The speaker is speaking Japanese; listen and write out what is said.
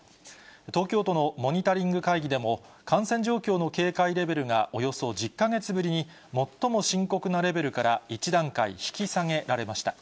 東京都のモニタリング会議でも、感染状況の警戒レベルがおよそ１０か月ぶりに最も深刻なレベルから一段階引き下げられました。